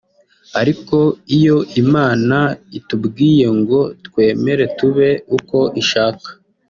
Ariko iyo Imana itubwiye ngo twemere tube uko ishaka